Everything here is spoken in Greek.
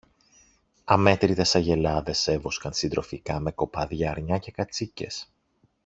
Αμέτρητες αγελάδες έβοσκαν συντροφικά με κοπάδια αρνιά και κατσίκες.